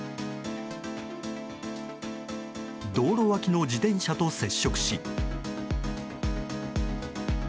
道路脇の自転車と接触し。